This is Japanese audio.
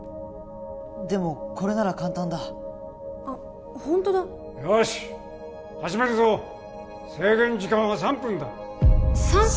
でもこれなら簡単だあっほんとだよし始めるぞ制限時間は３分だ３分！？